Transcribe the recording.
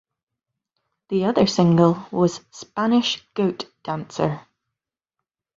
The other single was "Spanish Goat Dancer".